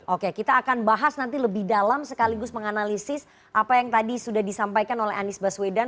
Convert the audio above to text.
oke kita akan bahas nanti lebih dalam sekaligus menganalisis apa yang tadi sudah disampaikan oleh anies baswedan